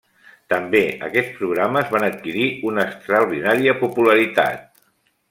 També aquests programes van adquirir una extraordinària popularitat.